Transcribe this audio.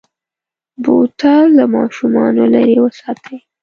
بوتل له ماشومو لرې وساتئ.